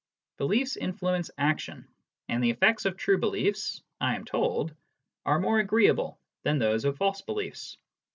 Beliefs influence action, and the effects of true beliefs, I am told, are more agreeable than those of false beliefs.